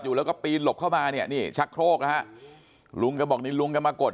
แล้วก็ปีนหลบเข้ามาเนี่ยนี่ชักโครกนะฮะลุงก็บอกนี่ลุงก็มากด